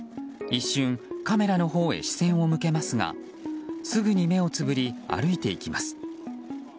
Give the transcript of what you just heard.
一瞬、カメラのほうへ視線を向けますがすぐに目をつぶり歩いていきます。